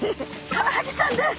カワハギちゃんです！